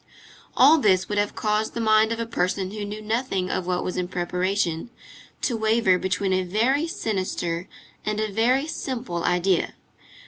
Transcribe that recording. All this would have caused the mind of a person who knew nothing of what was in preparation, to waver between a very sinister and a very simple idea.